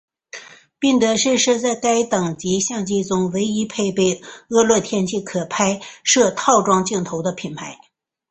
宾得士是在该等级相机中唯一配备恶劣天候可拍摄套装镜头的品牌。